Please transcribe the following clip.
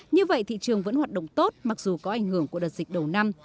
như vậy thị trường vẫn hoạt động tốt mặc dù có ảnh hưởng của đợt dịch đầu năm